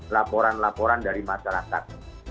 laporan laporan dari masyarakat